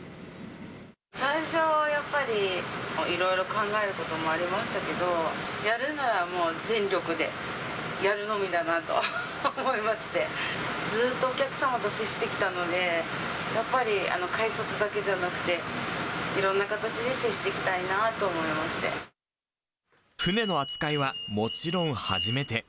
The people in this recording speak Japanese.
最初はやっぱり、いろいろ考えることもありましたけど、やるならもう全力でやるのみだなと思いまして、ずっとお客様と接してきたので、やっぱり改札だけじゃなくて、いろんな形で接していきたいなと船の扱いはもちろん初めて。